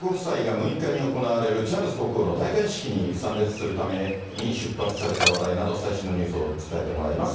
６日に行われるチャールズ国王の戴冠式に参列するために出発された話題など、最新のニュースを伝えてもらいます。